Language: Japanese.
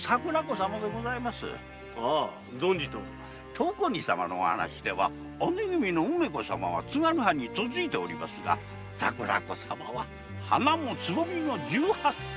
東光尼様の話では姉君の梅子様は津軽藩に嫁いでおりますが桜子様は花もツボミの十八歳。